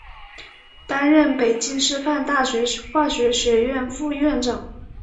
担任北京师范大学化学学院副院长。